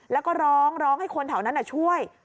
แล้วก็ร้องร้องให้คนแถวนั้นช่วย